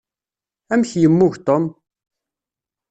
Amek yemmug Tom?